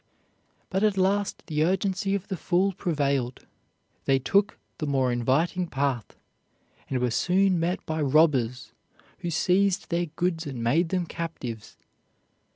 But at last the urgency of the fool prevailed; they took the more inviting path, and were soon met by robbers, who seized their goods and made them captives.